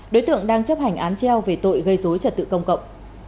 đối tượng đang chấp hành án treo về tội gây dối trật tự công cộng